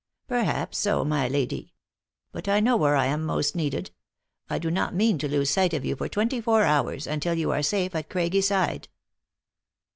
" Perhaps, so, my lady. But I know w r here I am most needed. I do not mean to lose sight of you for twenty four hours, until you are safe at Craiggy side."